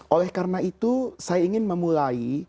oleh karena itu saya ingin memulai